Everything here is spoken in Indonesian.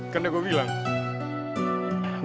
kan udah gue bilang